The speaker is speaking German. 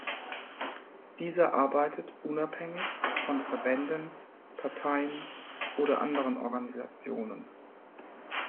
Dieser arbeitet unabhängig von Verbänden, Parteien oder anderen Organisationen.